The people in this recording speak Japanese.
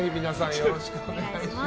よろしくお願いします。